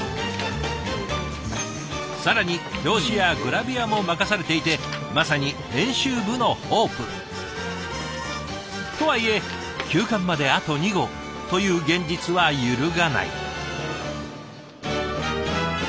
更に表紙やグラビアも任されていてまさに編集部のホープ！とはいえ休刊まであと２号という現実は揺るがない。